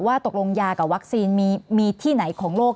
ตกลงยากับวัคซีนมีที่ไหนของโลก